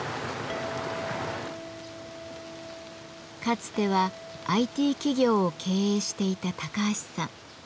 かつてはＩＴ企業を経営していた高橋さん。